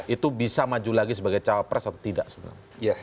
itu bisa maju lagi sebagai cawapres atau tidak sebenarnya